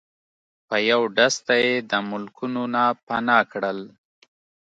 په یو ډز ته یی د ملکونو نه پناه کړل